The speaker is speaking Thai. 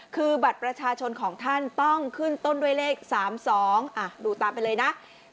คือบัตรประชาชนของท่านต้องขึ้นต้นด้วยเลข๓๒ดูตามไปเลยนะ